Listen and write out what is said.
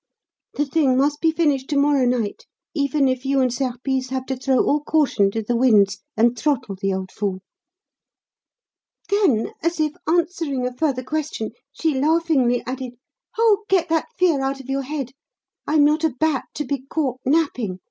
The thing must be finished to morrow night, even if you and Serpice have to throw all caution to the winds and throttle the old fool.' Then, as if answering a further question, she laughingly added: 'Oh, get that fear out of your head. I'm not a bat, to be caught napping.